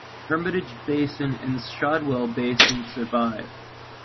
Hermitage Basin and Shadwell Basin survive.